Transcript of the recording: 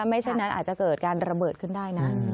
ไม่เช่นนั้นอาจจะเกิดการระเบิดขึ้นได้นะ